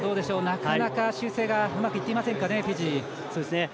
なかなか、修正がうまくいっていませんかねフィジー。